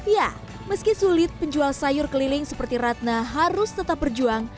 ya meski sulit penjual sayur keliling seperti ratna harus tetap berjuang